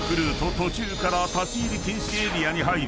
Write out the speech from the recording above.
途中から立ち入り禁止エリアに入り